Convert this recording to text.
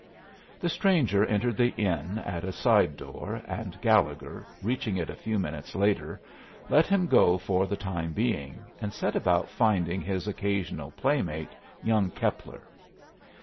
The stranger entered the inn at a side door, and Gallegher, reaching it a few minutes later, let him go for the time being, and set about finding his occasional playmate, young Keppler.